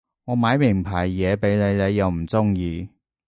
我買名牌嘢畀你你又唔中意